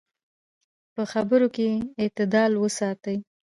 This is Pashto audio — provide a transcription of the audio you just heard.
په خبرو کې اعتدال وساتئ.